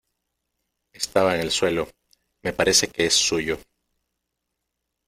estaba en el suelo. me parece que es suyo .